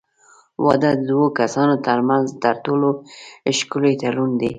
واده د دوو کسانو ترمنځ تر ټولو ښکلی تړون دی.